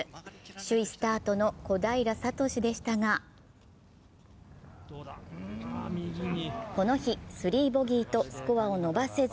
首位スタートの小平智でしたがこの日、３ボギーとスコアを伸ばせず。